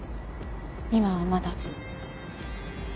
今はまだ。